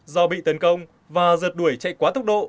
do bị tấn công và giật đuổi chạy quá tốc độ